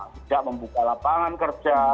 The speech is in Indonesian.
tidak membuka lapangan kerja